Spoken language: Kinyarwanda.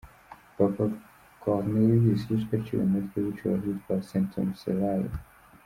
Papa Cornelius yishwe aciwe umutwe, yiciwe ahitwa Centumcellae.